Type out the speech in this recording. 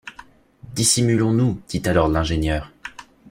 Dissimulons-nous, dit alors l’ingénieur